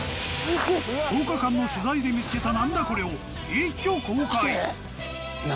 １０日間の取材で見つけた何だコレを一挙公開！